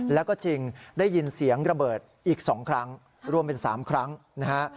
แล้วก็จริงได้ยินเสียงระเบิดอีก๒ครั้งรวมเป็น๓ครั้งนะฮะ